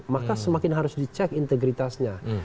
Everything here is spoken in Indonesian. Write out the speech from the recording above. maka semakin harus dicek integritasnya